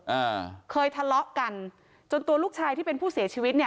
อ่าเคยทะเลาะกันจนตัวลูกชายที่เป็นผู้เสียชีวิตเนี่ย